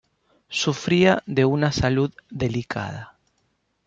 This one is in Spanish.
Sufría de una salud delicada.